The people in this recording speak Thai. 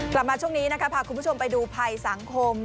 กลับมาช่วงนี้นะคะพาคุณผู้ชมไปดูภัยสังคม